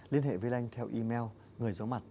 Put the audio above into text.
liên hệ với lê anh theo email